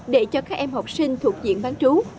để cho các em học sinh thuộc diện bán trú